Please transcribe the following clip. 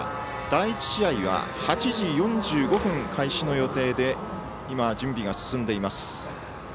第１試合は８時４５分開始の予定で今、準備が進んでいます。